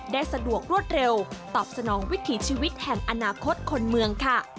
สะดวกรวดเร็วตอบสนองวิถีชีวิตแห่งอนาคตคนเมืองค่ะ